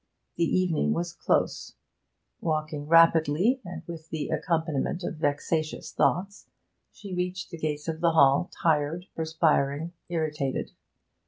The evening was close; walking rapidly, and with the accompaniment of vexatious thoughts, she reached the gates of the Hall tired perspiring, irritated.